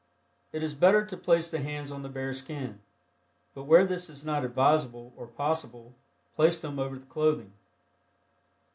It is better to place the hands on the bare skin, but where this is not advisable or possible place them over the clothing.